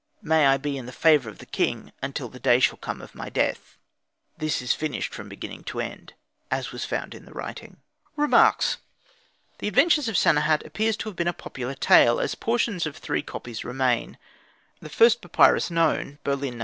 May I be in the favour of the king until the day shall come of my death. (This is finished from beginning to end, as was found in the writing.) Remarks The Adventures of Sanehat appears to have been a popular tale, as portions of three copies remain. The first papyrus known (Berlin No.